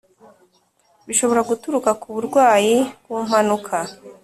Bishobora guturuka ku burwayi, ku mpanuka